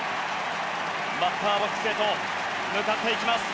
バッターボックスへと向かっていきます。